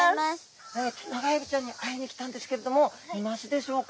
テナガエビちゃんに会いに来たんですけれどもいますでしょうか？